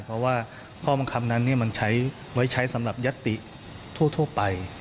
เพราะว่าข้อบังคับนั้นมันไว้ใช้สำหรับยัตติทั่วไป